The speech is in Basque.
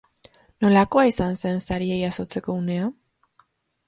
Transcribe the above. Nolakoa izan zen saria jasotzeko unea?